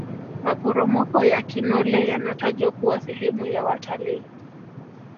maporomoko ya kinole yanatajwa kuwa sehemu ya watalii